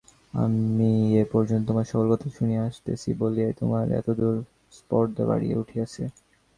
আমি এ পর্যন্ত তোমার সকল কথা শুনিয়া আসিতেছি বলিয়াই তোমার এতদূর স্পর্ধা বাড়িয়া উঠিয়াছে?